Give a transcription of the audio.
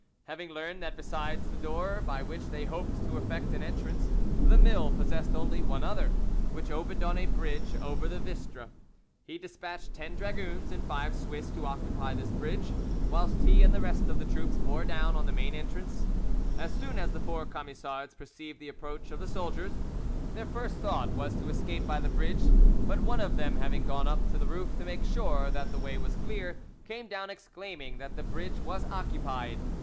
Having learned that besides the door by which they hoped to effect an entrance, the mill possessed only one other, which opened on a bridge over the Vistre, he despatched ten dragoons and five Swiss to occupy this bridge, whilst he and the rest of the troops bore down on the main entrance. As soon as the four Camisards perceived the approach of the soldiers, their first thought was to escape by the bridge, but one of them having gone up to the roof to make sure that the way was clear, came down exclaiming that the bridge was occupied.